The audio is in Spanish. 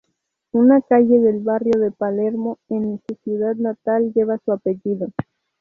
Una calle del barrio de Palermo en su ciudad natal lleva su apellido.